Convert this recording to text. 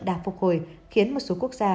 đạt phục hồi khiến một số quốc gia